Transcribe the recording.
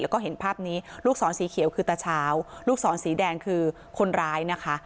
แล้วก็เห็นภาพนี้ลูกศรสีเขียวคือตาเช้าลูกศรสีแดงคือคนร้ายนะคะ